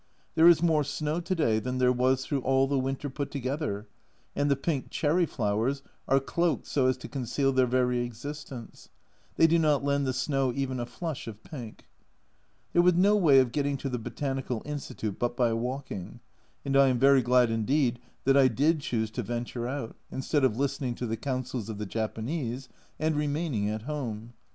There is more snow to day than there was through all the winter put together, and the pink cherry flowers are cloaked so as to conceal their very existence ; they do not lend the snow even a flush of pink. There was no way of getting to the Botanical Institute but by walking, and I am very glad indeed that I did choose to venture out, instead of listening to the counsels of the Japanese and remaining at home.